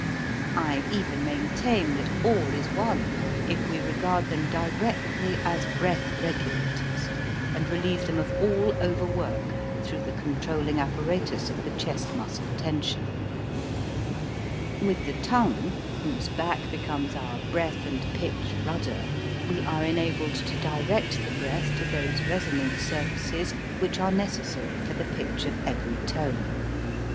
I even maintain that all is won if we regard them directly as breath regulators, and relieve them of all overwork through the controlling apparatus of the chest muscle tension. With the tongue, whose back becomes our breath and pitch rudder, we are enabled to direct the breath to those reasonance surfaces which are necessary for the pitch of every tone.